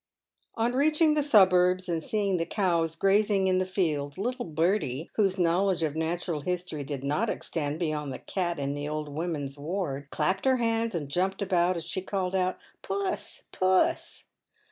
On reaching the suburbs, and seeing the cows grazing in the fields, little Bertie, whose knowledge of natural history did not extend beyond the cat in the old women's ward, clapped her hands and jumped about, as she called out, " Puss ! puss